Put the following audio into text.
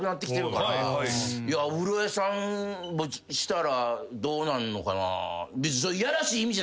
お風呂屋さんしたらどうなんのかな。